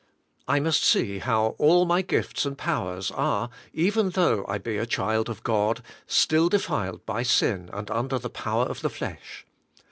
I must see how all my gifts and powers are, even though I be a child of God, still defiled by sin, and under the power of the flesh.